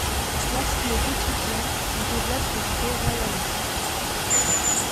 Lorsqu'il est étudiant, il développe des idées royalistes.